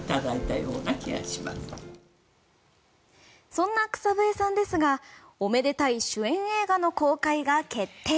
そんな草笛さんですがおめでたい主演映画の公開が決定。